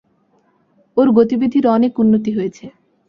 ওর গতিবিধির অনেক উন্নতি হয়েছে।